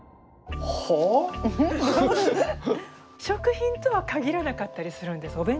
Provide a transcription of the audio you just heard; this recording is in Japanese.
食品とは限らなかったりするんです。